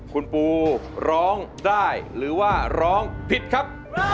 คุณปูร้องได้หรือว่าร้องผิดครับ